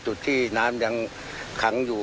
จุดที่น้ำยังขังอยู่